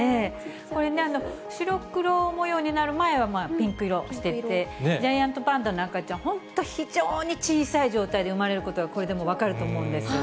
これね、白黒模様になる前はピンク色していて、ジャイアントパンダの赤ちゃん、本当、非常に小さい状態で産まれることが、これでもう分かると思うんです。